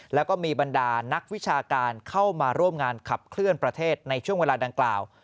แล้วก็มีบรรดานักวิชาการเข้ามาร่วมงานขับเคลื่อนประเทศในช่วงเวลาดังกล่าว